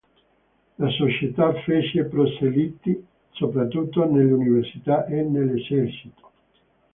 La società fece proseliti soprattutto nelle università e nell'esercito.